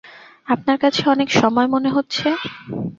আপনার কাছে অনেক সময় মনে হচ্ছে?